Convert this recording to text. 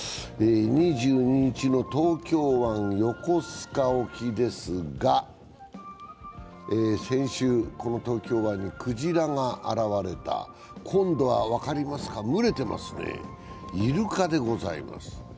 ２２日の東京湾・横須賀沖ですが、先週、この東京湾にくじらが現れた今度は分かりますか、群れてますねイルカでございます。